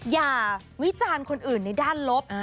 วิจารณ์คนอื่นในด้านลบ